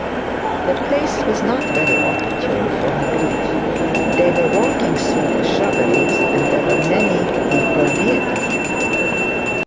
The place was not very opportune for her grief. They were walking through the shrubberies, and there were many people near them.